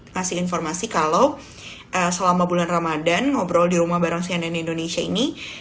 kasih informasi kalau selama bulan ramadan ngobrol di rumah bareng cnn indonesia ini